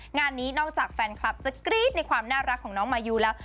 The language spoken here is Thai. งานนี้นอกจากแฟนคลับจะกรี๊ดในความน่ารักของน้องมายูแล้ว